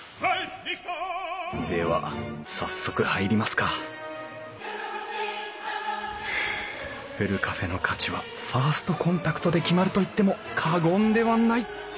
では早速入りますかふるカフェの価値はファーストコンタクトで決まると言っても過言ではない！